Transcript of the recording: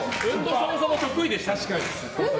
そもそも得意ですか？